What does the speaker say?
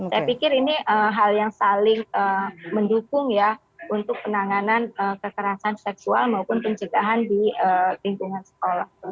saya pikir ini hal yang saling mendukung ya untuk penanganan kekerasan seksual maupun pencegahan di lingkungan sekolah